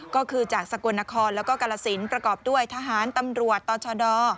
ก็คือจากสกลนครแล้วก็กาลสินประกอบด้วยทหารตำรวจต่อชด